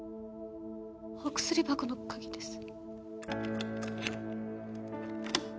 お薬箱の鍵です。